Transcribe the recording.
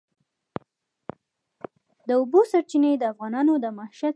د اوبو سرچینې د افغانانو د معیشت سرچینه ده.